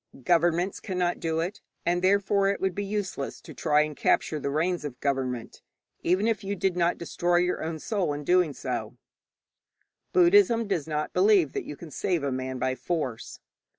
Governments cannot do it, and therefore it would be useless to try and capture the reins of government, even if you did not destroy your own soul in so doing. Buddhism does not believe that you can save a man by force.